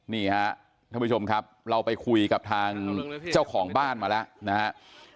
นี่ฮะท่านผู้ชมครับเราไปคุยกับทางเจ้าของบ้านมาแล้วนะครับ